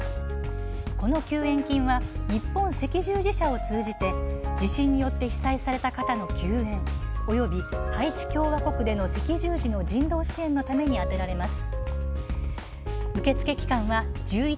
この救援金は日本赤十字社を通じて地震によって被災された方の救援およびハイチ共和国での赤十字の人道支援のために充てられます。